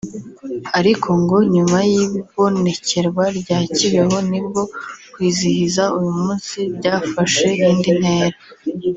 Ariko ngo nyuma y’ibonekerwa rya Kibeho ni bwo kwizihiza uyu munsi byafashe indi ntera